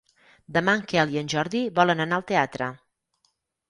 Demà en Quel i en Jordi volen anar al teatre.